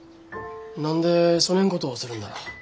何でそねんことをするんなら？